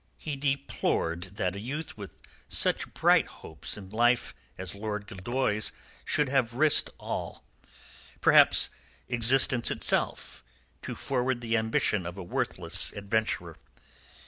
He deplored that a youth with such bright hopes in life as Lord Gildoy's should have risked all, perhaps existence itself, to forward the ambition of a worthless adventurer.